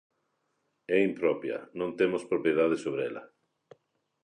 É impropia, non temos propiedade sobre ela.